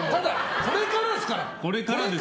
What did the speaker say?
これからですから。